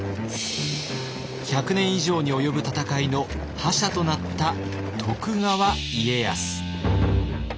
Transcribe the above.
１００年以上に及ぶ戦いの覇者となった徳川家康。